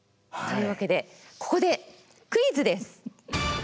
というわけでここでクイズです。